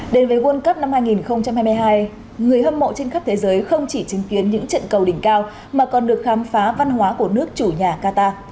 đến với world cup năm hai nghìn hai mươi hai người hâm mộ trên khắp thế giới không chỉ chứng kiến những trận cầu đỉnh cao mà còn được khám phá văn hóa của nước chủ nhà qatar